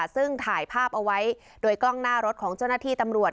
ซึ่งถ่ายภาพเอาไว้โดยกล้องหน้ารถของเจ้าหน้าที่ตำรวจ